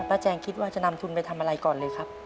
แจงคิดว่าจะนำทุนไปทำอะไรก่อนเลยครับ